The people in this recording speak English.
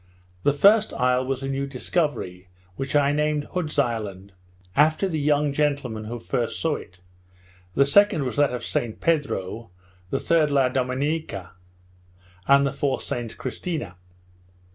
The first isle was a new discovery, which I named Hood's Island, after the young gentleman who first saw it, the second was that of Saint Pedro, the third La Dominica, and the fourth St Christina.